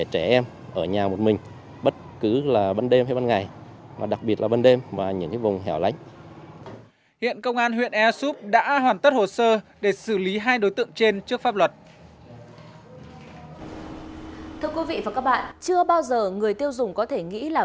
thưa quý vị và các bạn chưa bao giờ người tiêu dùng có thể nghĩ là